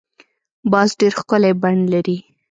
باز ډېر ښکلی بڼ لري